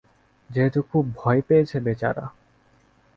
যেহেতু খুব ভয় পেয়েছে, বেচারা।